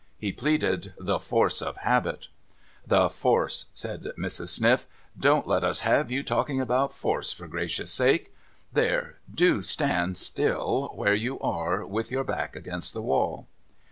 He pleaded ' the force of habit.' ' The force !' said Mrs. Sniff. ' Don't let us have you talking about force, for Gracious' sake. There ! Do stand still where you are, with your back against the wall.'